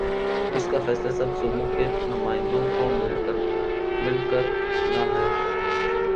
اس کا فیصلہ سب صوبوں کے نمائندوں کو مل کر نا ہے۔